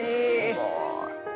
すごい。